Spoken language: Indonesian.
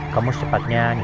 kamu secepatnya nyicur sana ya